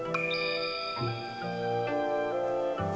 あ！